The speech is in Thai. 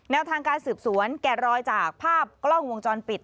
ทางการสืบสวนแกะรอยจากภาพกล้องวงจรปิด